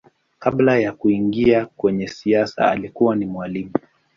Kabla ya kuingia kwenye siasa alikuwa ni mwalimu.